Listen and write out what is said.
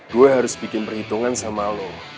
gue harus bikin perhitungan sama lo